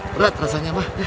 berat rasanya pak